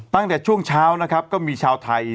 ตั้งแต่ช่วงเช้านะครับก็มีชาวไทย